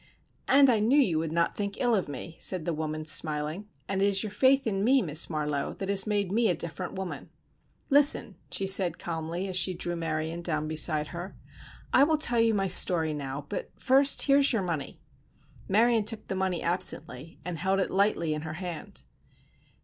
"And I knew you would not think ill of me," said the woman, smiling, "and it is your faith in me, Miss Marlowe, that has made me a different woman. Listen," she said calmly, as she drew Marion down beside her, "I will tell you my story now; but, first, here is your money." Marion took the money absently, and held it lightly in her hand.